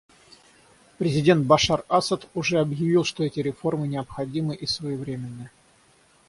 Президент Башар Асад уже объявил, что эти реформы необходимы и своевременны.